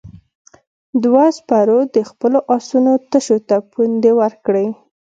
دوو سپرو د خپلو آسونو تشو ته پوندې ورکړې.